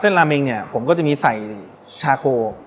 ราเมงเนี่ยผมก็จะมีใส่ชาโค